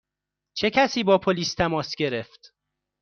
چه کسی با پلیس تماس گرفت؟